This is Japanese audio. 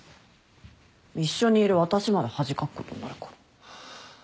一緒にいる私まで恥かくことになるから。